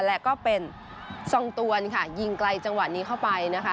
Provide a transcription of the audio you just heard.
และก็เป็นทรงตวนค่ะยิงไกลจังหวะนี้เข้าไปนะคะ